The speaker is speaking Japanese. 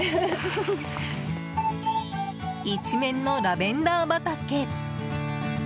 一面のラベンダー畑！